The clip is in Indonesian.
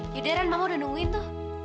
ah yudaran mama udah nungguin tuh